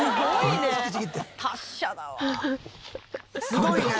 「すごいね！」